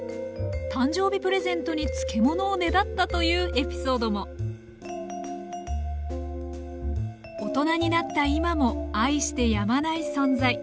誕生日プレゼントに漬物をねだったというエピソードも大人になった今も愛してやまない存在。